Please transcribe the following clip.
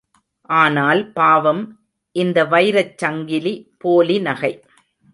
ஆனால் பாவம், இந்த வைரச் சங்கிலி போலி நகை...!